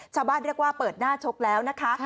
ชาวบ้านเรียกว่าเปิดหน้าชกแล้วนะคะ